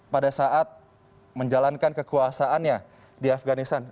pada saat menjalankan kekuasaannya di afganistan